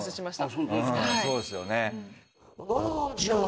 そうですよね